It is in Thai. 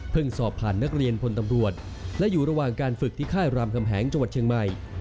สอบผ่านนักเรียนพลตำรวจและอยู่ระหว่างการฝึกที่ค่ายรามคำแหงจังหวัดเชียงใหม่